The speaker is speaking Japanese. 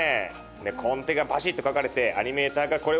でコンテがパシッと描かれてアニメーターがこれを動かしてる。